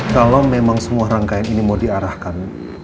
kalau memang semua rangkaian ini mau diarahkan